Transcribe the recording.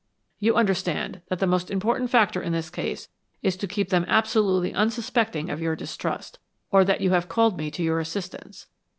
You understand that the most important factor in this case is to keep them absolutely unsuspecting of your distrust, or that you have called me to your assistance.